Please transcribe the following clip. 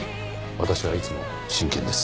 私はいつも真剣です。